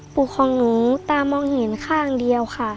ของหนูตามองเห็นข้างเดียวค่ะ